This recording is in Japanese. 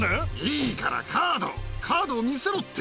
いいからカード、カードを見せろって。